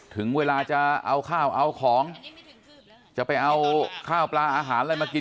ถึงเวลาจะเอาข้าวเอาของจะไปเอาข้าวปลาอาหารอะไรมากิน